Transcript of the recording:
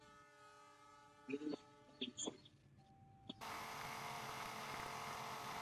"Dia suka musik." "Aku juga."